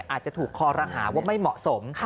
อาจจะถูกคอรหาว่าไม่เหมาะสม